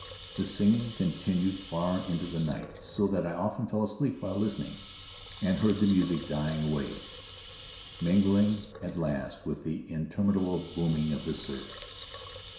The singing continued far into the night, so that I often fell asleep while listening, and heard the music dying away, mingling at last with the in terminable booming of the surf.